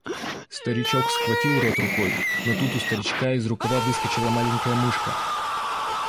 Старичок схватил рот рукой, но тут у старичка из рукава выскочила маленькая мышка.